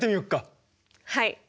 はい！